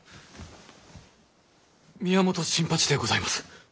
宮本新八でございます。